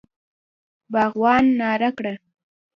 باغوان ناره کړه!